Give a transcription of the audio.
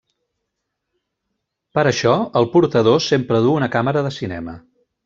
Per això, el portador sempre duu una càmera de cinema.